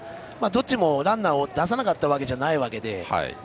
どっちもランナーを出さなかったわけじゃないわけで。